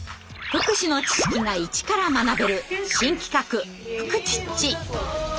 福祉の知識がイチから学べる新企画「フクチッチ」。